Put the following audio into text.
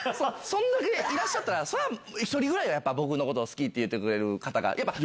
そんだけいらっしゃったら、それは一人くらいはやっぱ僕のこと好きって言うてくれる方が。